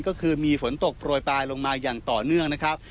ก็คือมีฝนตกโปรยปลายลงมาอย่างต่อเนื่องนะครับ